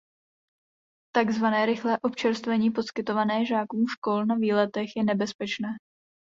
Takzvané rychlé občerstvení poskytované žákům škol na výletech je nebezpečné.